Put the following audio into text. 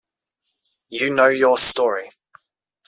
You know your story.